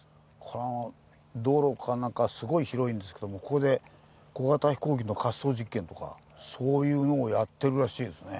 この道路かなんかすごい広いんですけどもここで小型飛行機の滑走実験とかそういうのをやってるらしいですね。